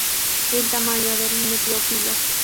El tamaño del nucleófilo.